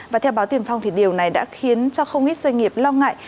và theo báo tuyển phong điều này đã khiến không ít doanh nghiệp lo ngại